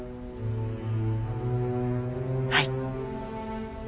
はい。